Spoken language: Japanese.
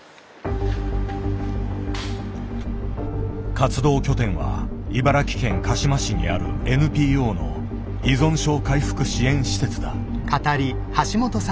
活動拠点は茨城県鹿嶋市にあるＮＰＯの依存症回復支援施設だ。